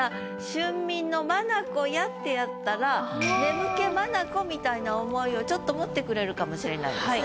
「春眠の眼や」ってやったら眠気まなこみたいな思いをちょっと持ってくれるかもしれないですね。